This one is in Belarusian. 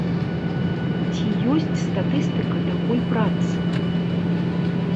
Ці ёсць статыстыка такой працы?